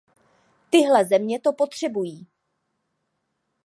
Tyhle země to potřebují.